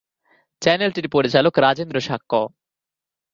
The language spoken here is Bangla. চ্যানেলটির পরিচালক রাজেন্দ্র শাক্য।